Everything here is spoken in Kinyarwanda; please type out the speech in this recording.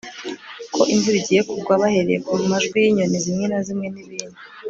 ko imvura igiye kugwa bahereye ku majwi y'inyoni zimwe na zimwen'ibindi